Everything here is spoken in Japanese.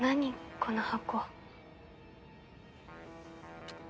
この箱。